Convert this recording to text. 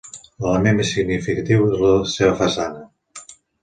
L'element més significatiu és la seva façana.